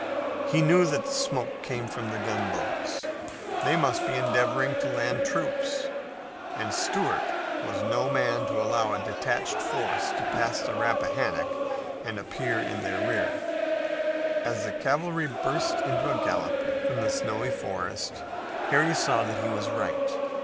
He knew that the smoke came from gunboats. They must be endeavoring to land troops, and Stuart was no man to allow a detached force to pass the Rappahannock and appear in their rear. As the cavalry burst into a gallop from the snowy forest Harry saw that he was right.